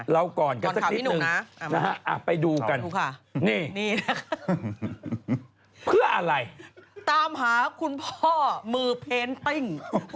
เราก่อนกันสักนิดนึงนะฮะไปดูกันเพื่ออะไรตามหาคุณพ่อมือเพนปิ้ง